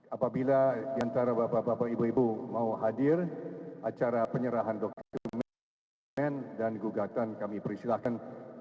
apabila diantara bapak bapak ibu ibu mau hadir acara penyerahan dokumen dokumen dan gugatan kami persilahkan